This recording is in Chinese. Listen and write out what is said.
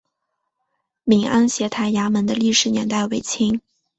闽安协台衙门的历史年代为清。